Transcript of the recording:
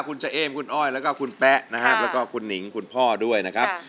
คุณเจ๊มคุณอ้อยแล้วก็คุณแป๊ะนะฮะก็คุณนิ้งคุณพ่อด้วยนะครับ